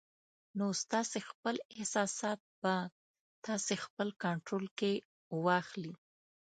نو ستاسې خپل احساسات به تاسې خپل کنټرول کې واخلي